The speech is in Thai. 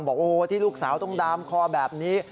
บอกโอ้ที่ลูกสาวต้องดามคอแบบนี้